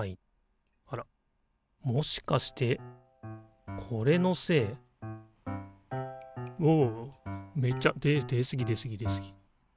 あらっもしかしてこれのせい？わわわわめっちゃで出すぎ出すぎ出すぎ。